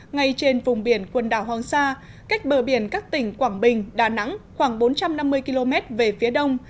ngay trên vùng biển quần đảo hoàng sa cách bờ biển các tỉnh quảng bình đà nẵng khoảng bốn trăm năm mươi km về phía đông